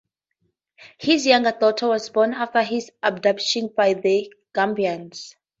His youngest daughter was born after his abduction by the Gambians.